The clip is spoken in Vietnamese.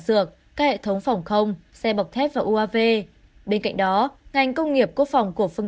dược các hệ thống phòng không xe bọc thép và uav bên cạnh đó ngành công nghiệp quốc phòng của phương